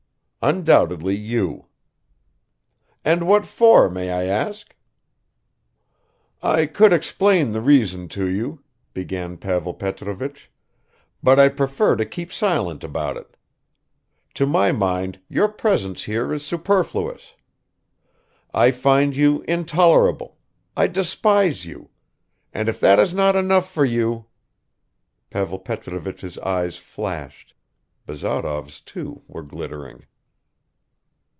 "Undoubtedly you." "And what for, may I ask?" "I could explain the reason to you," began Pavel Petrovich, "but I prefer to keep silent about it. To my mind your presence here is superfluous. I find you intolerable, I despise you, and if that is not enough for you ..." Pavel Petrovich's eyes flashed ... Bazarov's too were glittering.